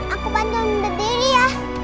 aku pandang berdiri ya